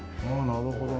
なるほど。